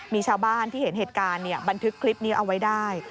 มีชาวบ้านที่เห็นเหตุการณ์บันทึกคลิปนี้เอาไว้ได้